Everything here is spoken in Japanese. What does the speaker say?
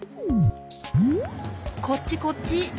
こっちこっち！